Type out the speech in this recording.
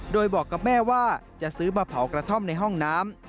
โดยบอกกับแม่ว่าจะซื้อมาเผากระท่อมในห้องน้ำ